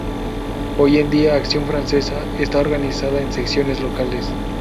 Hoy en día, "Acción francesa" está organizada en secciones locales.